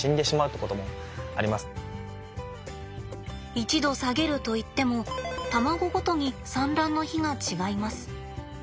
１℃下げるといっても卵ごとに産卵の日が違います。